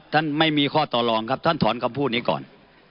ไม่มีข้อต่อรองครับท่านถอนคำพูดนี้ก่อน